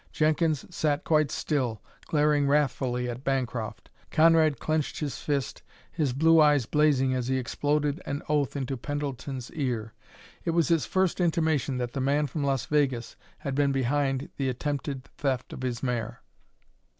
Jenkins sat quite still, glaring wrathfully at Bancroft. Conrad clenched his fist, his blue eyes blazing as he exploded an oath into Pendleton's ear; it was his first intimation that the man from Las Vegas had been behind the attempted theft of his mare.